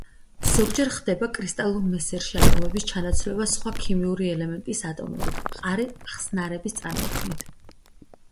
ზოგჯერ ხდება კრისტალურ მესერში ატომების ჩანაცვლება სხვა ქიმიური ელემენტის ატომებით, მყარი ხსნარების წარმოქმნით.